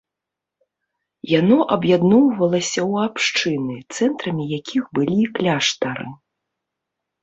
Яно аб'ядноўвалася ў абшчыны, цэнтрамі якіх былі кляштары.